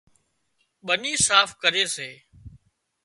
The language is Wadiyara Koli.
ٻني صاف ڪري سي